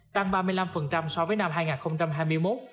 tăng ba mươi năm so với năm hai nghìn hai mươi một